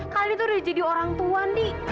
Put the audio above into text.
kalian itu udah jadi orang tua nih